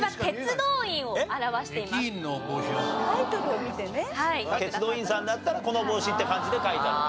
鉄道員さんだったらこの帽子って感じで描いた。